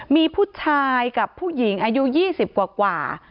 มีผู้ชายกับผู้หญิงอายุ๒๐กว่า